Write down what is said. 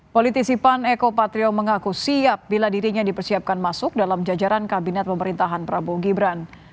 politisipan eko patrio mengaku siap bila dirinya dipersiapkan masuk dalam jajaran kabinet pemerintahan prabowo gibran